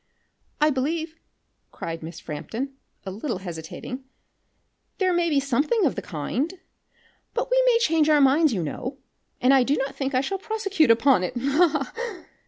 "I believe," cried Miss Frampton, a little hesitating, "there may be something of the kind. But we may change our minds you know, and I do not think that I shall prosecute upon it. Ha! ha! ha!"